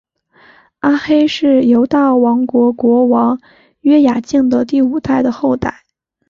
阿黑是犹大王国国王约雅敬的第五代的后代。